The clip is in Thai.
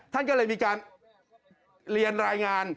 ท่านก็เลยมีการเรียนรายงาน